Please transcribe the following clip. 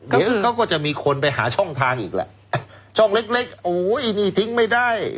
เดี๋ยวเขาก็จะมีคนไปหาช่องทางอีกแหละช่องเล็กเล็กโอ้ยนี่ทิ้งไม่ได้